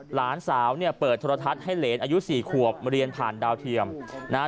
หลานสาวเนี่ยเปิดโทรทัศน์ให้เหรนอายุสี่ขวบเรียนผ่านดาวเทียมนะฮะ